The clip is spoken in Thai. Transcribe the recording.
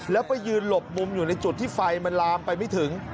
แล้วไปยืนหลบมุมอยู่ในจุดที่ไฟมันลามไปไม่ถึง